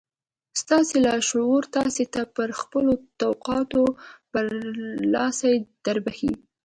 ستاسې لاشعور تاسې ته پر خپلو توقعاتو برلاسي دربښي